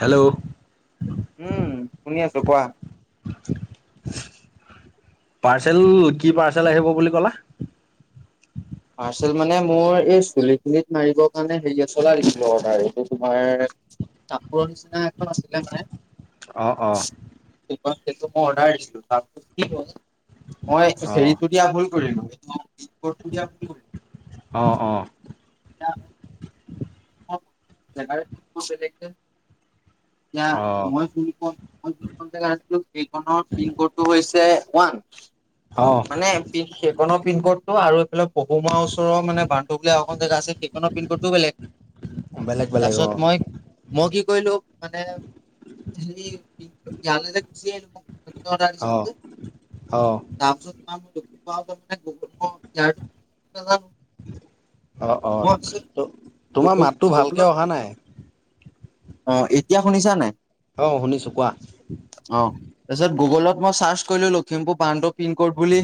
Hello উম শুনি আছো কোৱা পাৰ্চেল কি পাৰ্চেল আহিব বুলি কলা পাৰ্চেল মানে মোৰ এই চুলি খিনিত মাৰিব কাৰণে হেৰি এলছা দিছিলো অৰ্ডাৰ এইটো তোমাৰ কাপোৰ নিচিনা এখন আছিলে মানে অ', অ' সেইটো মই অৰ্ডাৰ দিছিলো তাক মই চেৰিটো দিয়া ভুল কৰিলো দিয়া ভুল কৰিলো অ', অ' [inaudible] [unintelligible] এতিয়া অ', অ', মই দেখাছিলো এইখনৰ পিনক'ড টো হৈছে ওৱান। অ', মানে প সেইকনৰ পিনকোডটো আৰু এইফালে পহুমা ওচৰৰ মানে বান্ধুলিয়া এখন জেগা আছে সেইখনত পিন কৰতটো বেলেগ। বেলেগ বেলেগ তাৰপিছত আহ। মই মই কি কৰিলো মানে হেৰি ইয়ালৈ যে গুচি আহিলো ম অ', অ'। তাৰপিছত মই মই দক্ষিণ পাৰ মানে নো অ', অ', ত তোমাৰ গুগল মাতটো ভালকে গুগলত অহা নাই। অ', এতিয়া শুনিছানে? অ', শুনিছো কোৱা অ', তাৰপিছত গুগলত মই চাৰ্চ কৰিলো লখিমপুৰ প্ৰানড পিনক'ড বুলি।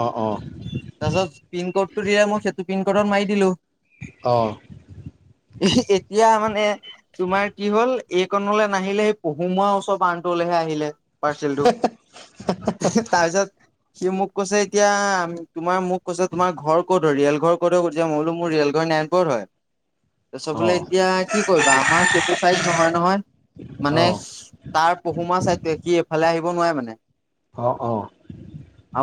অ', অ', পিন ক'ডটো দিলে মোক সেইটো পিন ক'ডৰ মাৰি দিলো। আহ। এতিয়া মানে তোমাৰ কি হ'ল এইকণলে নাহিলে সেই পঢহুমোৱাৰ ওচৰ আনটোলৈহে আহিলে। পাৰ্চেলটো তাৰপিছত সি মোক কৈছে এতিয়া আমি তোমাৰ মোক কৈছে তোমাৰ ঘৰ ক'ত ৰিয়েল ঘৰ ক'ত যে মইো মোৰ ৰেল ঘৰ নাৰায়ণপুৰত হয় [inaudible] তাৰ চব বোলে অ', এতিয়া কি কৰিবা আমাৰ চেটচাইড নহয় নহয় মানে অ', তাৰ পহুমা চাই সি এইফালে আহিব নোৱাৰে মানে। অ', অ'।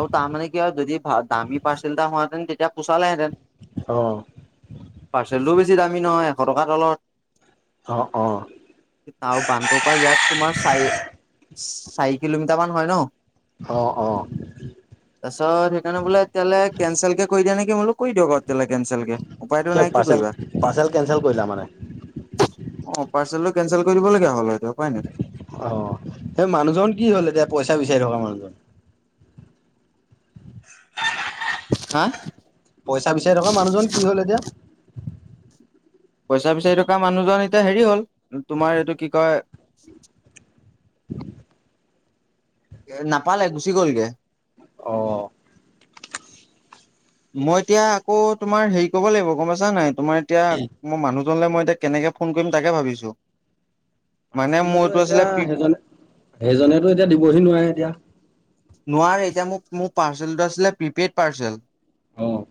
আৰু তাৰমানে কি হয় যদি দামী পাৰ্চেল এটা হহেতেন তেতিয়া পোচালেঁতেন। অ'। পাৰ্চেলটোও বেছি দামী নহয় এশ টকাৰ তলত। অ', অ'। আৰু বানটোৰ পৰাা ইয়াত তোমাৰ চাৰি চাৰি কিলোমিটাৰ মান হয় ন। অ', অ'। তাৰ পিছত সেইকাৰণে বলেতিয়াহাল কেঞ্চেল কে কৰি দিয়া নেকি বো কৰি দিয়ক তেতিয়াললে কেনচেল কে উপায়টো সেই নাই কি পাৰ্চেল কৰিবা। পাৰ্চেল কেনচেল কৰিলা মানে অ', পাৰ্চেলটো কেচেল কৰি দিব লগীয়া হ'ল সটো উপাই নাই। অ', সেই মানুহজন কি হ'ল এতিয়া পইচা বিচাৰি থকা মানুহজন? [inaudible] হা? পইচা বিচাৰি থকা মানুহজন কি হ'ল এতিয়া পইচা বিচাৰি থকা মানুহজন এতিয়া হেৰি হ'ল তোমাৰ এইটো কি কয় এ নাপালে গুচি গ'লগে। অ'। মই এতিয়া আকৌ তোমাৰ হেৰি কব লাগিব গম পাইছা নাই তোমাৰ এতিয়া মই মানুহজনলৈ মই এতিয়া কেনেকে ফোন কৰিম তাকে ভাবিছো। মানে মোৰ পাৰ্চেলটোতো এইটো এতিয়া আছিলে সেইজ সেইজনেতো এতিয়া দিবহি নোৱাৰে এতিয়া। নোৱাৰে এতিয়া মোক মোৰ পাৰ্চেল আছিলে প্ৰিপেইড পাৰ্চেল। অ'।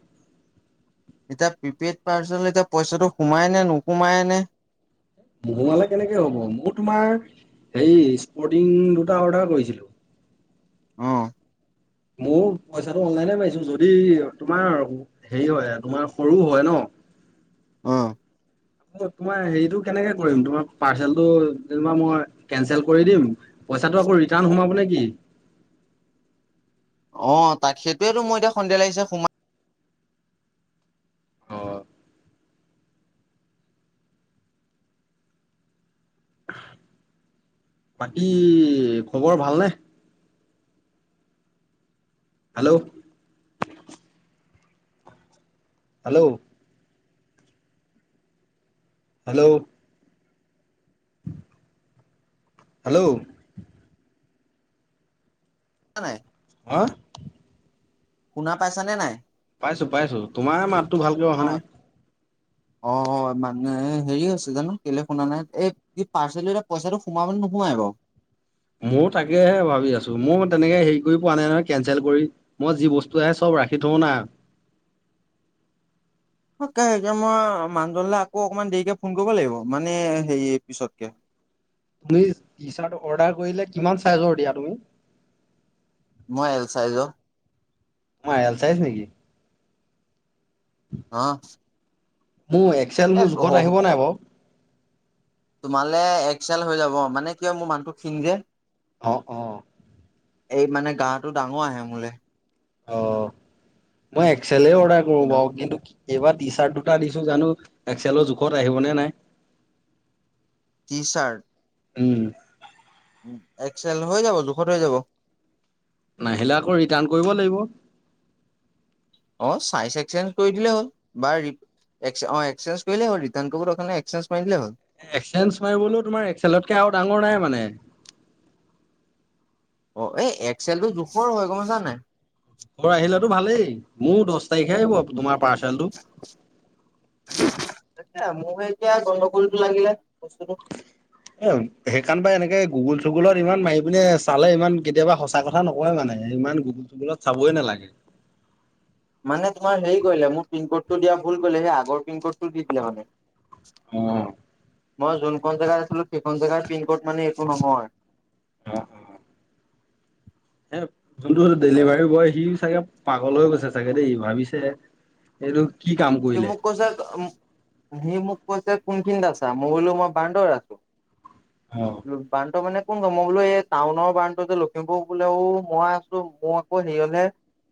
এতিয়া প্ৰিপেইড পাৰ্চন এতিয়া পইচাটো সোমাই নে নোসোমাইনে। মোহোৱালে কেনেকে হ'ব মোৰ তোমাৰ হেৰি স্পৰ্টিং দুটা অৰ্ডাৰ কৰিছিলো। অ'। মোৰ পইচাটো অনলাইনে মাৰিছো যদি তোমাৰ হেৰি হয় তোমাৰ সৰু হয় ন। অ'। তোমাৰ হেৰিটো কেনেকে কৰিম তোমাৰ পাৰ্চেলটো যেবা মই কেনচেল কৰি দিম। পইচাটো আকৌ ৰিটাৰ্ণ সোমাব নে কি? অ' তাক সেইটোৱেতো এতিয়া সন্দেহ লাগিছে সোমা অ'। বাকী খবৰ ভালনে? হেল্ল'। হেল্ল'। হেল্ল'। হেল্ল'। [unintelligible] হা? শুনা পাইছা নে নাই। পাইছোঁ পাইছোঁ তোমাৰ মাতটো ভালকে অ অহা নাই। অ' হ' মানে এই হেৰি হৈছিলে ন' কেলে শুনা নাই এই কি পাৰ্চেলৰ এতিয়া পইচাটো সোমাবনে নোসোমাই আৰু। ময়ো তাকেহে ভাবি আছোঁ মই তেনেকে হেৰি কৰি পোৱা নাই নহয় কেনচেল কৰি। মই যি বস্তু আহে চব ৰাখি থওঁ না। [unintelligible] মই মানুহজনলে আকৌ অকমান দেৰিকে ফোন কৰিব লাগিব মানে হেৰি পিছতকে। [unintelligible] টি চাৰ্ট অৰ্ডাৰ কৰিলে কিমান চাইজৰ দিয়া তুমি। মই এল চাইজৰ। অ' এল চাইজ নেকি। [unintelligible] মোৰ এক্সেল এ মোৰ জোখত আহিব নাই বাৰু। তোমালে এক্সেল হৈ যাব মানে কিয় মোৰ মানুহটো ক্ষিণ যে। অ', অ'। এই মানে গাটো ডাঙৰ আহে মোলে। অ' মই এক্সলেই অৰ্ডাৰ কৰোঁ তেনে বাৰু কিন্তু কি এইবাৰ টি চাৰ্ট দুটা আনিছোঁ জানো একচেলৰ জোখত আহিবনে নাই। T shirt. উম। উম, এক্সেল হৈ যাব জোখত হৈ যাব। নাহিলে আকৌ ৰিটাৰ্ণ কৰিব লাগিব। অ' চাইজ এক্সচেঞ্জ কৰি দিলে হ'ল, বা ৰি এক অ' এক্সেঞ্জ কৰিলে হ'ল ৰিটাৰ্ণ কৰিব দৰকাৰ নাই এক্সেঞ্জ মাৰি দিলে হ'ল। এক্সেঞ্জ মাৰিবলৈও তোমাৰ এক্সেলতকে আৰু ডাঙৰ নাই মানে। অ' এই এক্সেলটো জোখৰ হৈ গম নাই। ঘৰ আহিলেতো ভালেই, মোৰ দহ তাৰিখে আহিব তোমাৰ পাৰ্চেলটো। [unintelligible] মোৰ হে এতিয়া গন্ধগোলটো লাগিলে বস্তুটো। এ, সেইকাৰাণ বা এনেকে গুগুল চুগুলত ইমান মাৰি পিনে চালে ইমান কেতিয়াবা সঁচা কথ কথা নকয় মানে ইমান গুগুল টুগুলত চাবই নালাগে। মানে তোমাৰ হেৰি কৰিলে মোৰ পিন ক'ডটো দিয়া ভুল কৰিলে সেই আগৰ পিনক'ডটো দি দিলে মানে। অ'। মই যোনখন জেগাত আছিলোঁ সেইখন জেগাৰ পিন ক'ড মানে একো নহয়। অ', অ'। [unintelligible] জোনটো ডেলিভাৰী বয় সি চাগে পাগল হৈ গৈছে চাগে দেই ভাবিছে এইটো কি কাম কৰিলে। [unintelligible] সি মোক কৈছে কোনখিনিত আছা মই বোলো মই বান্দৰ আছোঁ। অ'। বান্টো মানে কোন মই বোলো এই টাউনৰ বানটো যে লখিমপুৰ বোলেও মই আছোঁ মোৰ আকৌ হেৰিহে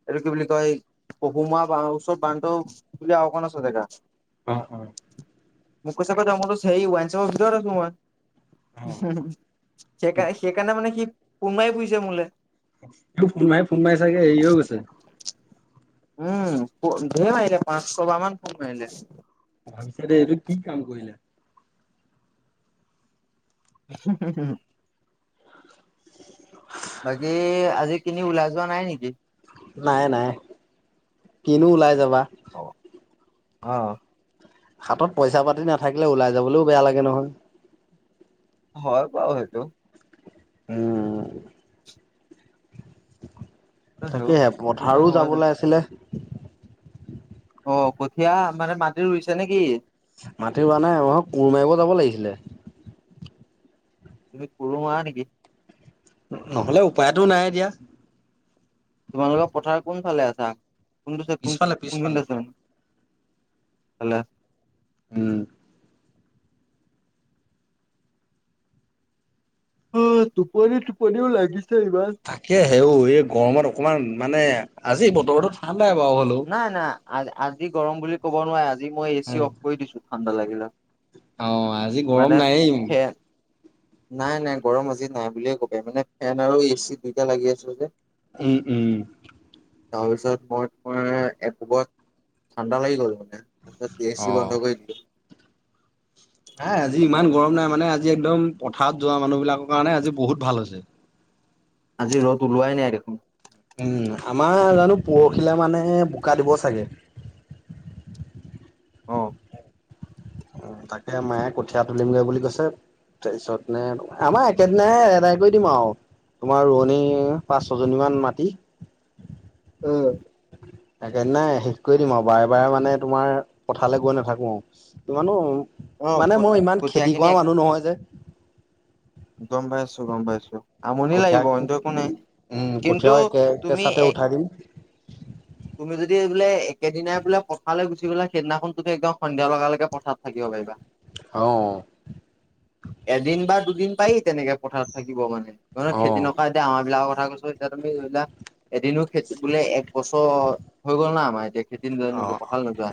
এইটো কি বুলি কয় পহুমা ওচৰত বান্ধ বুলি অকণ আছে জেগা। অ', হ'। মোক কৈছ কথা আ মল চ সেই ওৱাইনশ্বপ মই ভিতৰতে সোমোৱা অ সেইকাৰ সেইকাৰণে মানে কি কোমাই ফূৰিছে মোলে। তোকফোন মাৰি ফোন মাৰি চাগে হেৰি হৈ গৈছে। উম, ধেৰ মাৰিলে পাঁচ ছবাহ মান ফোন আহিলে। ভাবিছে দে এইটো কি কাম কৰিলে। হ'ম উম, হ'ম। [unintelligible] বাকী আজি কিনি ওলাই যোৱা নাই নেকি? নাই, নাই, কিনো ওলাই যাবা। অ' অ' হাতত পইচা পাতি নাথাকিলে। ওলায় যাবলৈও বেয়া লাগে নহয়। হয় বাৰু সেইটো। উম। সেইটো তাকেহে কিনো পথাৰো হ'ব জানো যাবলৈ আছিলে। অ' কঠীয়া মানে মাটি ৰুইছে নেকি? মাটি ৰুৱা নাই অহ' কোৰ মাৰিব যাব লাগিছিলে। তুমি কোৰো মাৰা নেকি। নহ'লে উপায়তো নাই এতিয়া। তোমালোকৰ পথাৰ কোন ফালে আছা, কোনটো কোন পিছফালে পিছফালে। কোনখিনি আছে মানে। [unintelligible] উম। অ' টোপনি টোপনিও লাগিছে ইমান। তাকে হেও ঐ গৰমত অকমান মানে আজি বতৰ ঠাণ্ডাই বাৰু অলপ। নাই, নাই, আ আজি গৰম বুলি ক'ব নোৱাৰি, আজি মই এ চি অফ কৰি দিছোঁ ঠাণ্ডা লাগিলে। অ' আজি মানে গৰম নাইয়েই। ফেন নাই, নাই, গৰম আজি নাই বুলিয়ে ক'ব মানে ফেন আৰু এ চি দুইটা লাগি আছে যে। উম, উম। তাৰপিছত মই তোমাৰ একোবত ঠাণ্ডা লাগি গ'ল মানে তাৰপিছত। এ চি অ'। বন্ধ কৰি দিলোঁ। নাই আজি ইমান গৰম নাই মানে আজি একদম পথাৰত যোৱা মানুহ বিলাকৰ কাৰণে আজি বহুত ভাল হৈছে। আজি ৰ'দ ওলোৱাই নাই দেখোন। উম, আমাৰ জানো পৰখিলে মানেহে বোকা দিব চাগে। অ'। তাকে মায়ে কঠিয়া তুলিমগৈ বুলি কৈছে। তাৰপিছত নে আমাৰ একেদিনাই এদাই কৰি দিম আৰু। তোমাৰ ৰুৱনি পাঁচ ছয় জনী মান মাটি। অহ'। একে দিনাই শেষ কৰি দিম আৰু বাৰে বাৰে মানে তোমাৰ পথালে গৈ নাথাকোঁ ইমানোও। অ মানে মই ইমান কঠীয়া খেতি খিনি কৰা মানুহ নহয় যে। গ'ম পাইছোঁ, গ'ম পাইছোঁ, আমনি কঠীয়া লাগিব অইনতো একো নাই ন কিন্তু তুমি এ। খাইদিম। তুমি যদি বোলে একেদিনাই বোলে পথালৈ গুচি গ'লা, সেইদিনাখন তুমি একদম সন্ধিয়া লগালৈকে পথাত থাকিব পাৰিবা। অহ'। এদিন বা দুদিন পায়েই তেনেকে পথাৰত থাকিব নহ'লে অ খেতি নকৰা। এতিয়া আমাৰ বিলাকৰ কথা কৈছোঁ এতিয়া তুমি যাক এদিনো খেতি বোলে এক বছৰ হৈ গ'ল। হ'ল না আমাৰ খেতি ন অ নোযাৱ পথাৰলে নোযোৱা।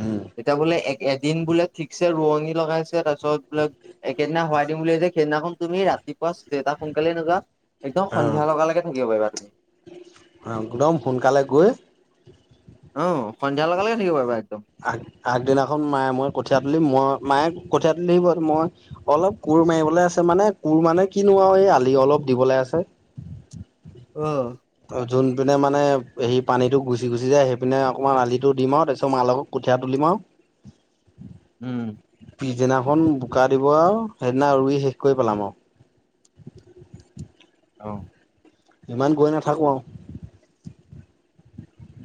উম এতিয়া বোলে এ এদিন বোলে ঠিকছে ৰুৱনি লগাইছে তাৰপিছত বোলে। একেইদিনা হোৱাই দিম বুলি ভাবিছা। সেইদিনাখন তুমি ৰাতিপুৱা জেতা সোনকালে নোজোৱা। একদম সন্ধিয়া লগালকে থাকিব পাৰিবা তুমি। অ' একদম সোনকালে গৈ। অ সন্ধিয়া লগালেকে থাকিব পাৰিবা একদম। আগ আগদিনাখন মায়ে মই কঠিয় তলি মই মায়ে কঠিয় তলিব মই। অলপ কোৰ মাৰিবলৈ আছে মানে কোৰ মানে কিনো আৰু এই আলি অলপ দিবলৈ আছে। অ। অ যোন পিনে মানে হেৰি পানীতটো গুচি গুচি যায় সেইপিনে অকণমান আলিটো দিম আৰু তাৰপিছত মা লগত। কঠীয়া তুলিম আৰু। উম পিছদিনাখন বোকা দিব আৰু সেইদিনা ৰুই শেষ কৰি পেলাম আৰু। অ। ইমান গৈ নাথাকো আৱ।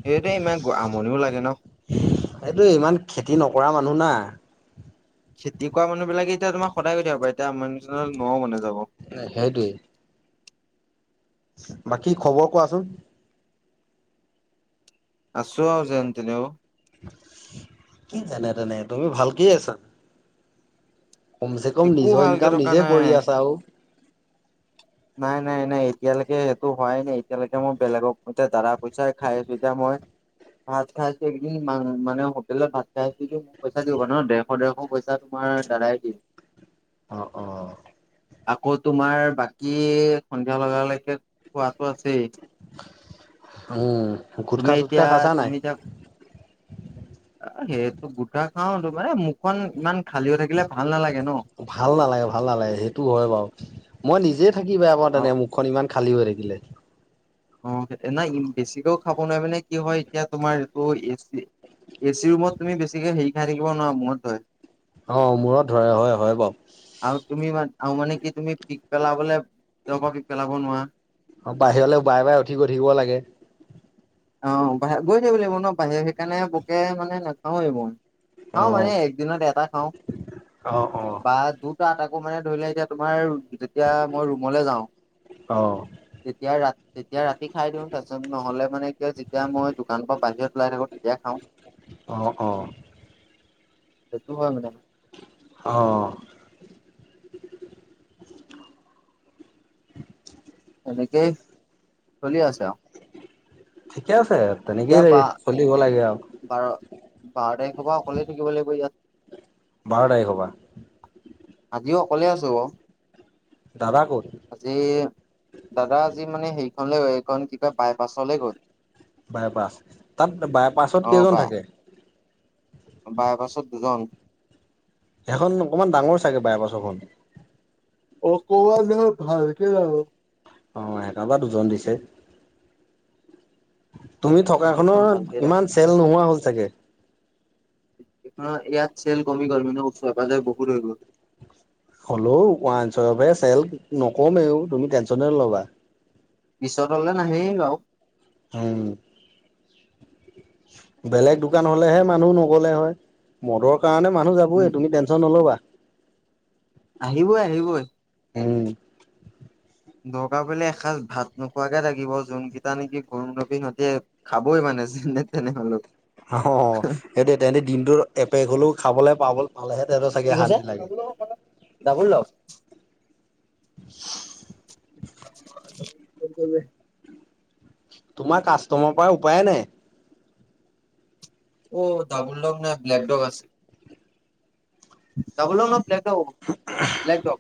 সেতু ইমান আমনিও লাগে ন। এইটো ইমান খেতি নকৰা মানুহ না। খেতি কৰা মানুহ বিলাকে এতিয়া তোম সদায় গৈ থাকিব পাৰে, এতিয়া মানুহজন নও মাননে নাযাব। সেইটোৱেই। বাকী খবৰ কোৱাচোন? আছো, অ ' যেনে তেনে। তেনে তেনে তুমি ভালকে আছা। কমচে কম একো নিজৰ ভালকে ইনকাম থকা নিজে নাই। কৰি আছা আৰু নাই নাই নাই এতিয়ালৈকে সেইটো হোৱাই নাই এতিয়ালৈকে মই বেলেগক মৈতে দাৰা পচাই খাই আছো এতিয়া মই ভাত খাইছেো একদিন মানে হোটেলত ভাত খাই আছেটো মোক পইচা দিবা ন দে স ডেৰশ পইচা তোমাৰ দাদাই দিয়ে। অ' অ' আকৌ তোমাৰ বাকী সন্ধিয়া লগালৈকে খোৱাাতটো আছেই। উম তুমি গুটখা-চুটখা এতিয়া, খাচা নাই? তুমি এতিয়া অ' সেইটো গোটা খাওতো মানে মুখখন ইমান খালী হৈ থাকিলে ভাল নালাগে ন। ভাল নালাগে ভাল নালাগে সেইটো হয় বাৰু মই নিজে থাকিবা আকৌ আৰু তেনে মুখখন ইমান খালী হৈ থাকিলে। অ' নাই বেছিকেও খাব নোৱাৰি মানে কি হয় এতিয়া তোমাৰ এইটো এ চি ৰুমত তুমি বেছিকে হেৰি খাই থাকিবোৱাৰা মইত হয়। অ মূৰত ধৰে হয় হয় বাৰু। আৰু তুমি মান আৰু মানে কি তুমি পিক পেলাবলে তেওঁ পৰা পিক পেলাব নোৱাৰা। অ' বাহিৰলৈও বাৰে বাৰে উঠি গৈ থাকিব লাগে। অ' বাহিৰত গৈ থাকিব লাগিব ন বাহিৰৰে সেইকাৰণে বোকে মানে নাখাওৱেই মই। অ খাওঁ মানে একদিনত এটা খাওঁ। অ অ বা দুটা আকৌ মানে ধৰি লোৱা এতিয়া তোমাৰ যেতিয়া মই ৰুমলৈ যাওঁ। অ তেতিয়া ৰা তেতিয়া ৰাতি খাই দিওঁ তাৰপিছত নহ'লে মানে তেতিয়া যেতিয়া মই দোকানৰ পৰা বাহিৰত ওলাই থাকো তেতিয়া খাওঁ। অ সেইটো হয়। অ' এনেকেই চলি আছে আৰু ঠিকে আছে তেনেকেই এতিয়া দ বা চলিব লাগে আৰু বাৰ বাৰ তাৰিখৰ পৰা অকলেই থাকিব লাগিব ইয়াত। বাৰ তাৰিখৰ পৰা। আজিও অকলে আছো। দাদা ক'ত? আজি দাদা আজি মানে হেৰিখনলে গ'ল এইখন কি কয় বাইপাছলৈ গ'ল। বাইপাছ তাত বাইপাছত অ কেইজন বাই থাকে? বাইপাছত দুজন। সেইখন অকমান ডাঙৰ চাগে বাৰে পাছৰখন। অক'ব ন ঘালক য [unintelligible] অ', এটা বা দুজন দিছে, তুমি থকা সেইখন দোকানখনত ভালকে ৰাখ ইমান চেল নোহোৱা হ'ল চাগে। আমাৰ ইয়াত চেল কমি গ'ল, মানে ওচৰে - পাজৰে বহুত হৈ গ'ল। হ'লেও ৱাইন শ্বপ চেল নকমেও, তুমি টেনশন নল'বা। পিছত হ'লে নাহে বাৰু অ', বেলেগ দোকান হ'লেহে মানুহ নগ'লে হয়, মদৰ কাৰণে মানুহ যাবয়ে উম তুমি টেনচন নল'বা। আহিবই আহিবই। উম্। দৰকাৰ পৰিলে এসাঁজ ভাত নোখোৱাকে থাকিব, যোনকেইটা নেকি গৰুধৱী সিহঁতে খাবই মানে যেনেতেনে হ'লেও। অ', সেইটোৱে তেহেতে দিনটোত এপেক হ'লেও খাবলৈ পাব পালেহে, তেহেঁতৰ চাগে শান্তি লাগে। দাবোল লষ্ট। ব [inaudible] ে [inaudible] তোমাৰ কাষ্টমাৰৰ পৰা উপায়ে নাই। অ', ডাবুল লগ নাই ব্লেকডগ আছে। ডাবোল ডগ নহয়, ব্লেক ডগ ব্লেক ডগ,